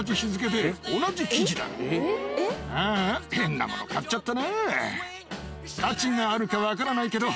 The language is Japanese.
ああ変なもの買っちゃったなぁ。